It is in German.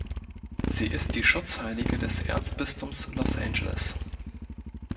Sie ist die Schutzheilige des Erzbistums Los Angeles.